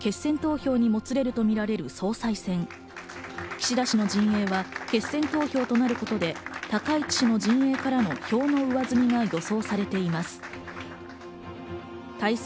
岸田氏の陣営は決選投票となることで高市氏の陣営からの票の上積みが予想されています。